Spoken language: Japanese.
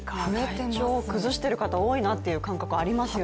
体調を崩してる方多いなっていう感覚ありますよね。